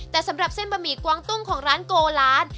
แต่สำหรับเส้นบะหมี่กวางตุ้งของร้านโกลาน